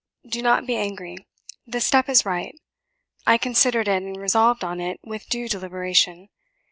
Do not be angry, the step is right. I considered it, and resolved on it with due deliberation.